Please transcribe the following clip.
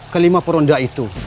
kelima peronda itu